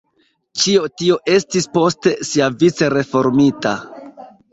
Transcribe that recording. Ĉio tio estis poste siavice reformita.